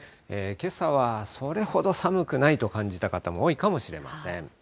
けさはそれほど寒くないと感じた方も多いかもしれません。